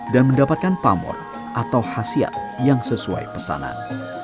dan mendapatkan pamor atau hasiat yang sesuai pesanan